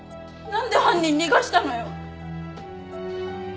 なんで犯人逃がしたのよ！